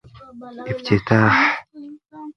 افتتاح